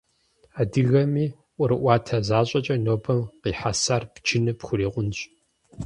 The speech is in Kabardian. Адыгэми ӏуэрыӏуатэ защӏэкӏэ нобэм къихьэсар бджыну пхурикъунщ.